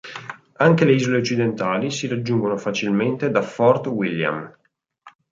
Anche le isole occidentali si raggiungono facilmente da Fort William.